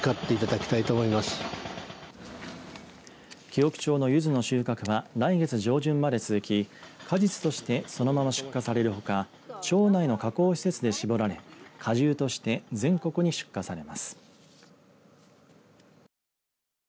鬼北町のゆずの収穫は来月上旬まで続き果実としてそのまま出荷されるほか、町内の加工施設でしぼられ、果汁として全国に出荷されます。